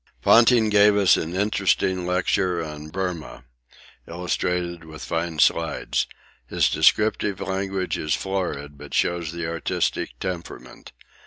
Ponting gave us an interesting lecture on Burmah, illustrated with fine slides. His descriptive language is florid, but shows the artistic temperament.